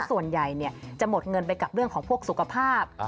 ส่วนใหญ่จะหมดเงินไปกับเรื่องของพวกสุขภาพ